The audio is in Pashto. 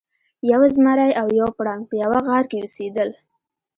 یو زمری او یو پړانګ په یوه غار کې اوسیدل.